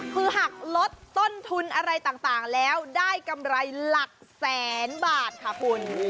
คือหักลดต้นทุนอะไรต่างแล้วได้กำไรหลักแสนบาทค่ะคุณ